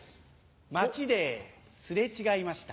街で擦れ違いました。